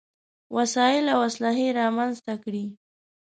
وسايل او اسلحې رامنځته کړې.